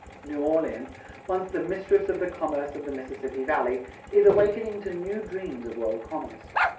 New Orleans, once the mistress of the commerce of the Mississippi Valley, is awakening to new dreams of world commerce.